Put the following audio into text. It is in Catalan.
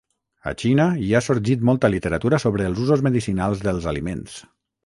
A Xina hi ha sorgit molta literatura sobre els usos medicinals dels aliments.